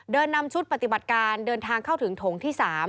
นำชุดปฏิบัติการเดินทางเข้าถึงถงที่๓